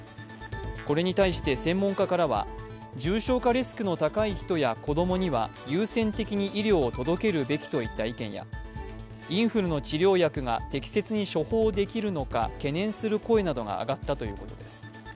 これに対して専門家からは、重症化リスクの高い人や子供には優先的に医療を届けるべきといった意見やインフルの治療薬が適切に処方できるのか懸念する声などが上がったということです。